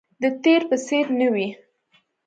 د تیر په څیر نه وي